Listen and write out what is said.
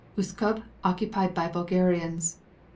Uskub occupied by Bulgarians.